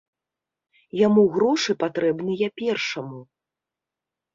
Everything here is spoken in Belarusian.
Яму грошы патрэбныя першаму.